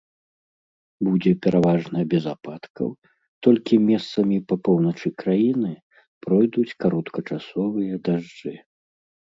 Будзе пераважна без ападкаў, толькі месцамі па поўначы краіны пройдуць кароткачасовыя дажджы.